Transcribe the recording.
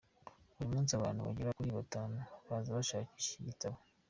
Buri munsi abantu bagera kuri batanu baza bashakisha iki gitabo.